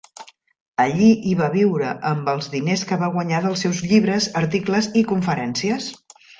Allí hi va viure amb els diners que va guanyar dels seus llibres, articles i conferències.